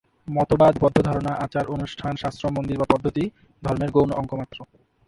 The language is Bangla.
মতবাদ, বদ্ধ ধারণা, আচার-অনুষ্ঠান, শাস্ত্র-মন্দির বা পদ্ধতি ধর্মের গৌণ অঙ্গমাত্র।